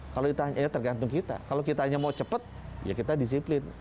kalau kita hanya mau cepat ya kita disiplin